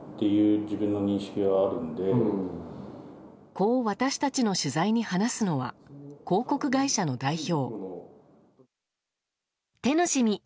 こう私たちの取材に話すのは広告会社の代表。